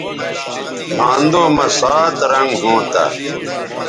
رھاندو مہ سات رنگ ھونتہ